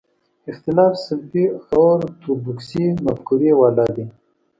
اختلاف سلفي اورتودوکسي مفکورې والا دي.